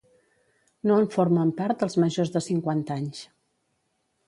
No en formen part els majors de cinquanta anys.